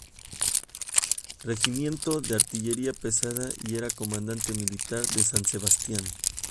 Regimiento de Artillería pesada y era comandante militar de San Sebastián.